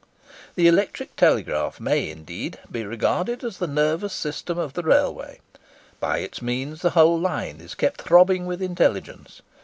The electric telegraph may, indeed, be regarded as the nervous system of the railway. By its means the whole line is kept throbbing with intelligence.